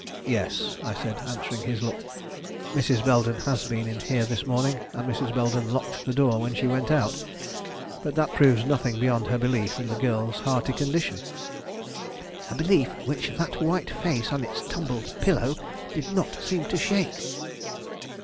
"Yes," I said, answering his look, "Mrs. Belden has been in here this morning, and Mrs. Belden locked the door when she went out; but that proves nothing beyond her belief in the girl's hearty condition." "A belief which that white face on its tumbled pillow did not seem to shake?"